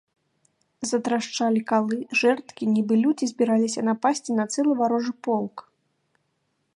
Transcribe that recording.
Затрашчалі калы, жэрдкі, нібы людзі збіраліся напасці на цэлы варожы полк.